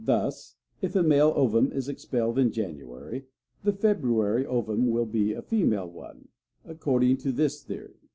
Thus, if a male ovum is expelled in January, the February ovum will be a female one, according to this theory.